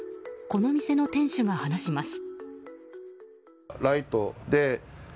この店の店主が話します。